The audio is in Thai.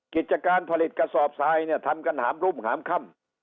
กิจการผลิตกระสอบทรายเนี่ยทำกันหามรุ่มหามค่ำ